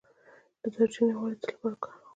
د دارچینی غوړي د څه لپاره وکاروم؟